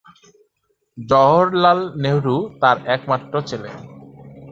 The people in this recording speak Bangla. জওহরলাল নেহরু তার একমাত্র ছেলে।